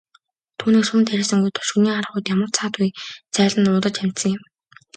Түүнийг сум дайрсангүй тул шөнийн харанхуйд ямар ч саадгүй зайлан нуугдаж амжсан юм.